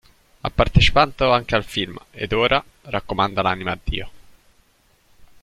Ha partecipato anche al film "Ed ora... raccomanda l'anima a Dio!